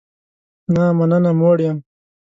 نه مننه، موړ یم